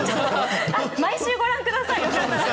毎週ご覧ください！